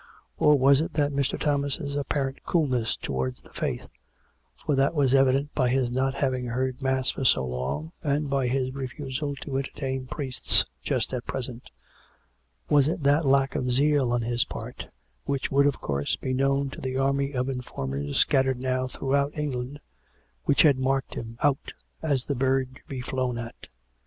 Or was it that Mr. Thomas' apparent coolness towards the Faith (for that was evident by his not having heard mass for so long, and by his refusal to entertain priests just at present) — was it that lack of zeal on his part, which would, of course, be known to the army of in formers scattered now throughout England, which had marked him out as the bird to be flown at?